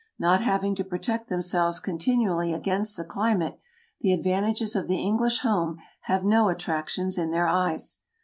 Not having to protect themselves continually against the climate, the advantages of the English home have no attractions in their eyes.